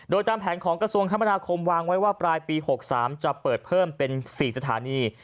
โดยตามแผนของกระทรวงคมนาคมวางไว้ว่าปลายปี๖๓จะเปิดเพิ่มเป็น๔สถานี